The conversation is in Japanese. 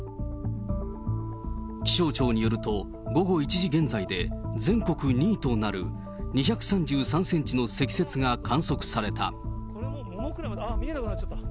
気象庁によると、午後１時現在で全国２位となる２３３センチの積雪が観測された。